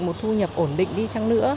một thu nhập ổn định đi chăng nữa